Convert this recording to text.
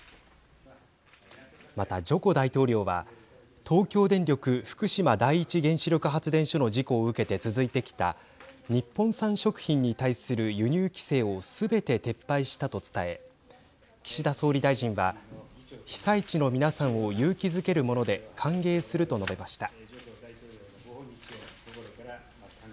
また、ジョコ大統領は東京電力福島第一原子力発電所の事故を受けて続いてきた日本産食品に対する輸入規制をすべて撤廃したと伝え岸田総理大臣は被災地の皆さんを勇気づけるもので歓迎すると述べました。